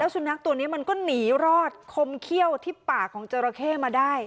สุนัขตัวนี้มันก็หนีรอดคมเขี้ยวที่ปากของจราเข้มาได้